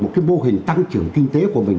một cái mô hình tăng trưởng kinh tế của mình